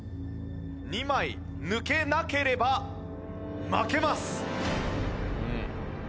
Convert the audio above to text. ２枚抜けなければ負けます。